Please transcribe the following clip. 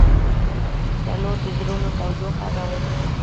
تنور د زړونو تودوخه راوړي